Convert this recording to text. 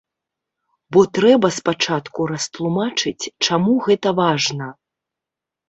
Бо трэба спачатку растлумачыць, чаму гэта важна.